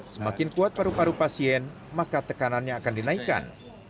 semakin kuat paru paru pasien maka tekanannya akan dinaikkan